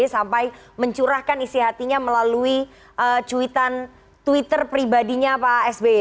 sampai mencurahkan isi hatinya melalui cuitan twitter pribadinya pak sby